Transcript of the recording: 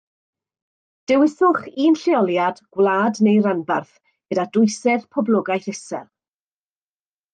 Dewiswch un lleoliad, gwlad neu ranbarth, gyda dwysedd poblogaeth isel